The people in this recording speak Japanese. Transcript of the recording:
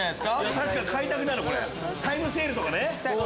確かに買いたくなるこれタイムセールとかね。